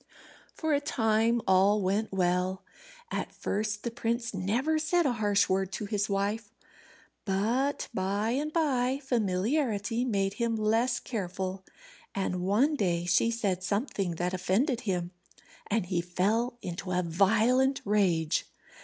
For a time all went well. At first the prince never said a harsh word to his wife; but by and by familiarity made him less careful, and one day she said something that offended him, and he fell into a violent rage.